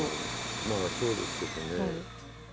まあそうですけどね。